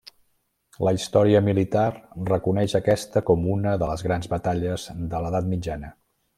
La història militar reconeix aquesta com una de les grans batalles de l'edat mitjana.